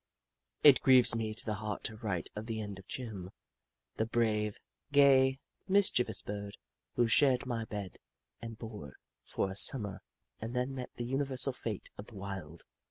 It grieves me to the heart to write of the end of Jim, that brave, gay, mischievous Bird, who shared my bed and board for a Sum mer, and then met the universal fate of the wild.